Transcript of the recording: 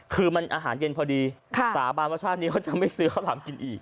คือมันอาหารเย็นพอดีสาบานว่าชาตินี้เขาจะไม่ซื้อข้าวหลามกินอีก